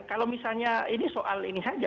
kalau misalnya ini soal ini saja